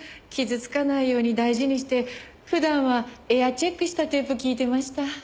傷つかないように大事にして普段はエアチェックしたテープ聞いてました。